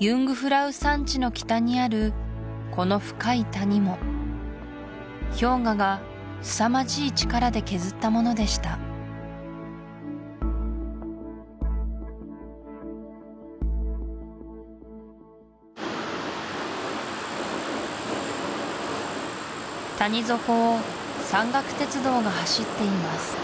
ユングフラウ山地の北にあるこの深い谷も氷河がすさまじい力で削ったものでした谷底を山岳鉄道が走っています